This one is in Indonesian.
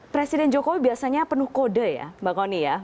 presiden jokowi biasanya penuh kode ya mbak koni ya